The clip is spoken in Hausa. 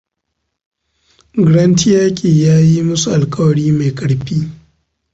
Grant yaki ya yi musu alkawari mai karfi.